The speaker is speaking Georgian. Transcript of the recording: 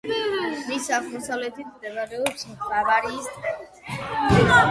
მის აღმოსავლეთით მდებარეობს ბავარიის ტყე.